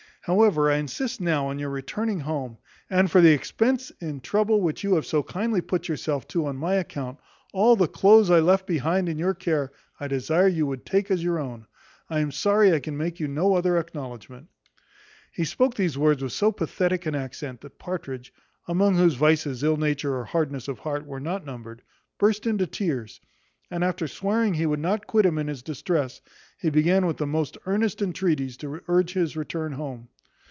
However, I insist now on your returning home; and for the expense and trouble which you have so kindly put yourself to on my account, all the cloaths I left behind in your care I desire you would take as your own. I am sorry I can make you no other acknowledgment." He spoke these words with so pathetic an accent, that Partridge, among whose vices ill nature or hardness of heart were not numbered, burst into tears; and after swearing he would not quit him in his distress, he began with the most earnest entreaties to urge his return home.